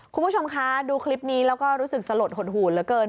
คุณผู้ชมคะดูคลิปนี้แล้วก็รู้สึกสลดหดหูเหลือเกิน